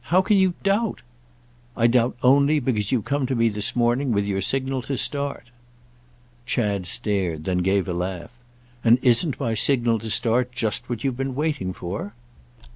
How can you doubt—?" "I doubt only because you come to me this morning with your signal to start." Chad stared, then gave a laugh. "And isn't my signal to start just what you've been waiting for?"